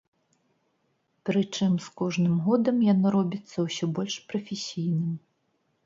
Прычым з кожным годам яно робіцца ўсё больш прафесійным.